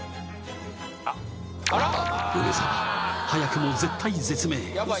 あっ梅沢早くも絶体絶命ウソ？